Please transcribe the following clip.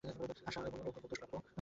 Ash এবং oak খুব দুষ্প্রাপ্য।